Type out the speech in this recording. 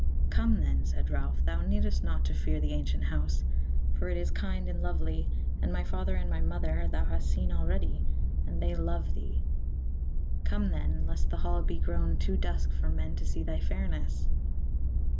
"Come then," said Ralph, "thou needest not to fear the ancient house, for it is kind and lovely, and my father and my mother thou hast seen already, and they love thee. Come then, lest the hall be grown too dusk for men to see thy fairness."